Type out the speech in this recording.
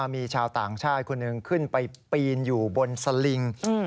มีชาวต่างชาติคนหนึ่งขึ้นไปปีนอยู่บนสลิง